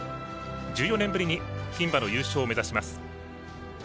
１４年ぶりに牝馬の優勝を目指します。